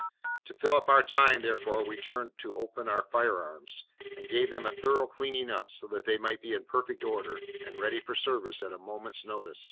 To fill up our time, therefore, we turned to upon our fire arms, and gave them a thorough cleaning up, so that they might be in perfect order, and ready for service at a moment's notice.